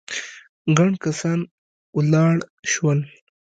ګڼ کسان ولاړ شول.